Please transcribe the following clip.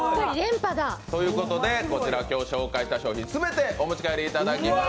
ということでこちら、今日紹介した商品全てお持ち帰りいただけます。